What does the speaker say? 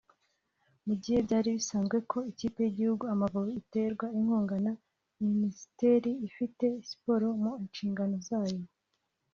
Mu gihe byari bisanzwe ko ikipe y'igihugu Amavubi iterwa inkunga na Minisiteri ifite Siporo mu nshingano zayo